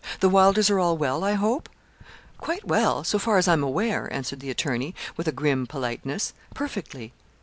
The Wylders are all well, I hope?' 'Quite well, so far as I am aware,' answered the attorney, with a grim politeness; 'perfectly.